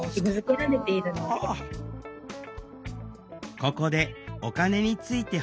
ここでお金について補足。